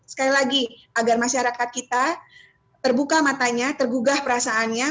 sekali lagi agar masyarakat kita terbuka matanya tergugah perasaannya